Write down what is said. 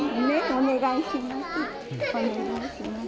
お願いします。